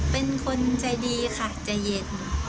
เป็นคนใจดีค่ะใจเย็น